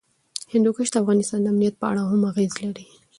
هندوکش د افغانستان د امنیت په اړه هم اغېز لري.